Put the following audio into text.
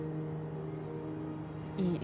いい。